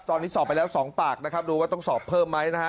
ตอนนี้สอบไปแล้ว๒ปากนะครับดูว่าต้องสอบเพิ่มไหมนะฮะ